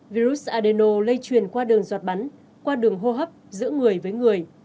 virus adeno lây truyền qua đường giọt bắn qua đường hô hấp giữa người với người